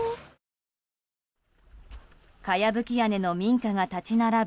かやぶき屋根の民家が立ち並ぶ